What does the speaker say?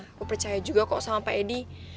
aku percaya juga kok sama pak edi